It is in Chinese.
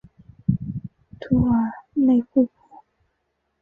图尔内库普。